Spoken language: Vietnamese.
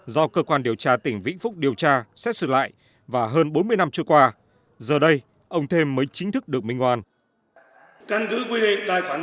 do cơ quan điều tra tỉnh vĩnh phúc điều tra xét xử lại và hơn bốn mươi năm trôi qua giờ đây ông thêm mới chính thức được minh hoàng